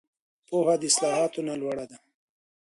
پوهه د اصطلاحاتو نه لوړه ده.